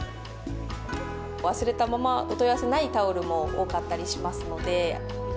忘れたままお問い合わせないタオルも多かったりしますので。